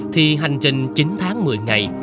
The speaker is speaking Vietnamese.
thì hành trình chín tháng một mươi ngày